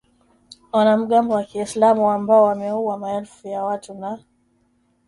wanamgambo wa kiislamu ambao wameua maelfu ya watu na